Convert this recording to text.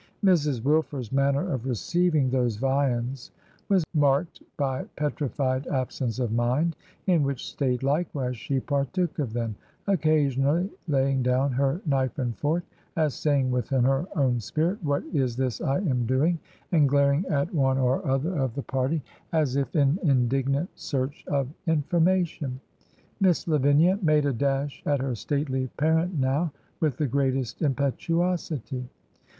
Mrs. Wilfer's manner of receiving those viands was marked by petrified absence of mind; in which state, likewise, she partook of them, occasionally laying down her knife and fork, as saying within her own spirit, ' What is this I am doing?' and glaring at one or other of the party, as if in indignant search of information. ... Miss Lavinia ... made a dash at her stately parent now, with the greatest impetuosity.